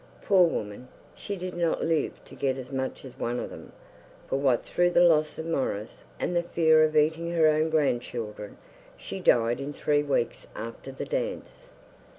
Poor woman, she did not live to get as much as one of them; for what through the loss of Maurice, and the fear of eating her own grandchildren, she died in three weeks after the dance.